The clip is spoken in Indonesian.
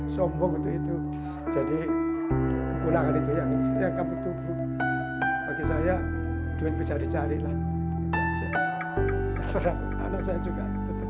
sombong gitu jadi pulangkan itu ya kebutuhkan bagi saya duit berjari jari lah anak saya juga